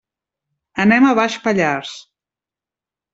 Anem a Baix Pallars.